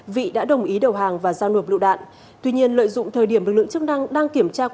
vị đã đồng ý đầu hàng và giao nộp lựu đạn